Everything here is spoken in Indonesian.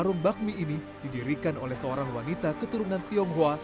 warung bakmi ini didirikan oleh seorang wanita keturunan tionghoa